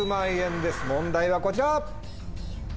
問題はこちら！